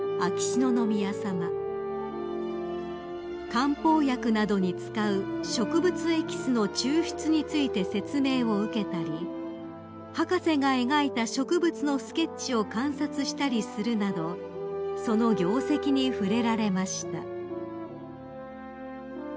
［漢方薬などに使う植物エキスの抽出について説明を受けたり博士が描いた植物のスケッチを観察したりするなどその業績に触れられました］